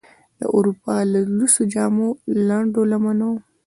د اروپا له لوڅو جامو، لنډو لمنو،